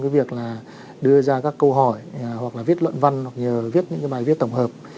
và đưa ra các câu hỏi hoặc là viết luận văn hoặc là viết những bài viết tổng hợp